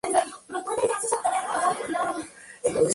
Varios monumentos rinden homenaje a personas y eventos en la ciudad.